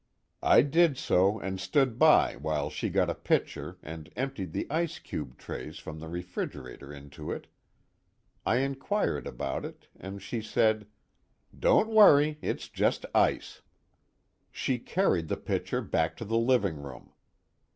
I did so, and stood by while she got a pitcher and emptied the ice cube trays from the refrigerator into it. I inquired about it, and she said: 'Don't worry, it's just ice.' She carried the pitcher back to the living room.